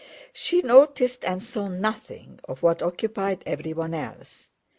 She noticed and saw nothing of what occupied everyone else.